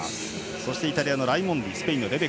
そしてイタリアのライモンディライモンディ。